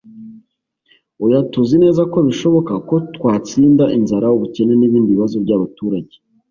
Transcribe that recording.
oya, tuzi neza ko bishoboka ko twatsinda inzara, ubukene n'ibindi bibazo by'abaturage.